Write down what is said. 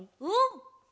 うん！